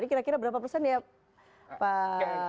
ini kira kira berapa persen ya pak